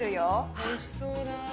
おいしそうだ。